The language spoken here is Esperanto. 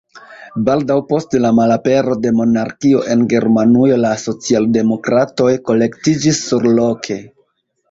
Baldaŭ post la malapero de monarkio en Germanujo la socialdemokratoj kolektiĝis surloke.